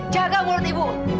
jaga mulut ibu